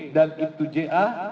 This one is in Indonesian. dan ibtu ja